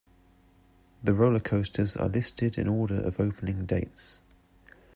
The roller coasters are listed in order of opening dates.